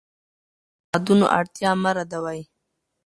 ولې د ټولنیزو نهادونو اړتیا مه ردوې؟